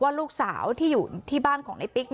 ลูกสาวที่อยู่ที่บ้านของในปิ๊ก